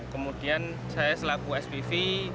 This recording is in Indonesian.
kemudian saya selaku spv